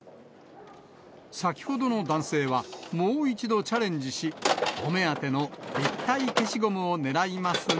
先ほどの男性は、もう一度チャレンジし、お目当ての立体けしごむをねらいますが。